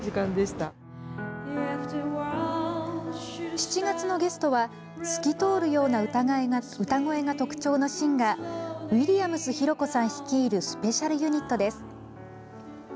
７月のゲストは透き通るような歌声が特徴のシンガーウィリアムス浩子さん率いるスペシャルユニットです。